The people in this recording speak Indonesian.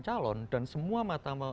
calon dan semua mata